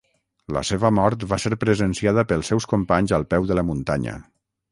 La seva mort va ser presenciada pels seus companys al peu de la muntanya.